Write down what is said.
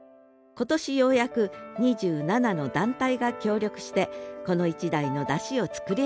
今年ようやく２７の団体が協力してこの１台の山車を作り上げました。